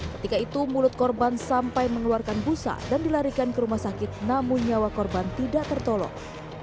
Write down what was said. ketika itu mulut korban sampai mengeluarkan busa dan dilarikan ke rumah sakit namun nyawa korban tidak tertolong